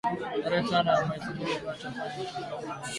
Tarehe tano ya mwezi huu bata fanya uchunguzi wa ma kwaya ya kolwezi